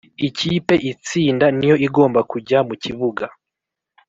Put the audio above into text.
Ikipe itsinda niyo igomba kujya mu kibuga